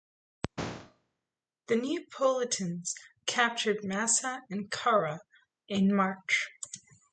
The Neapolitans captured Massa and Carrara in March.